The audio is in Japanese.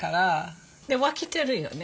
で分けてるよね。